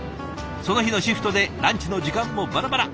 その日のシフトでランチの時間もバラバラ。